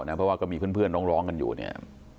เพราะว่าก็มีเพื่อนร้องกันอยู่เนี่ย